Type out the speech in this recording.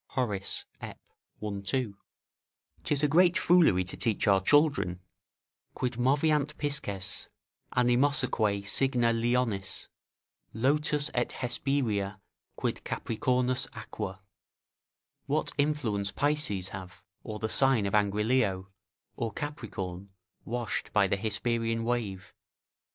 Horace, Ep., i. 2.] 'Tis a great foolery to teach our children: "Quid moveant Pisces, animosaque signa Leonis, Lotus et Hesperia quid Capricornus aqua," ["What influence Pisces have, or the sign of angry Leo, or Capricorn, washed by the Hesperian wave."